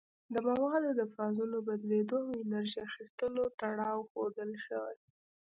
د موادو د فازونو بدلیدو او انرژي اخیستلو تړاو ښودل شوی.